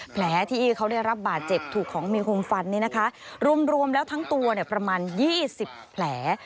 แผลที่เขาได้รับบาดเจ็บถูกของมีคุมฟันเนี่ยนะคะรวมแล้วทั้งตัวเนี่ยประมาณยี่สิบแผล